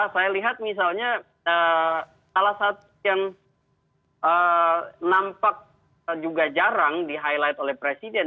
saya lihat misalnya salah satu yang nampak juga jarang di highlight oleh presiden